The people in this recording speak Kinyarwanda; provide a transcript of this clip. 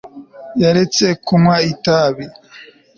yaretse kunywa itabi